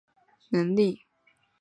拥有出色的三分球投射能力。